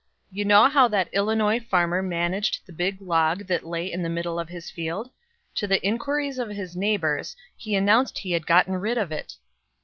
"You know how that Illinois farmer managed the big log that lay in the middle of his field? To the inquiries of his neighbors, he announced he had gotten rid of it.